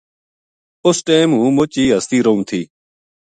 اُس ٹیم ہوں مُچ ہستی رہوں تھی